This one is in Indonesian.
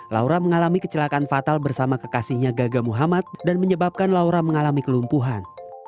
laura mengalami kecelakaan fatal bersama kekasihnya gaga muhammad dan menyebabkan laura mengalami kelumpuhan